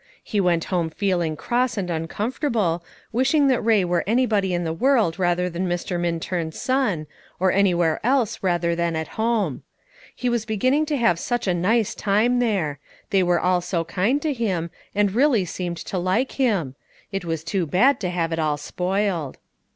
He went home feeling cross and uncomfortable, wishing that Ray were anybody in the world rather than Mr. Minturn's son, or anywhere else rather than at home. He was beginning to have such a nice time there; they were all so kind to him, and really seemed to like him. It was too bad to have it all spoiled.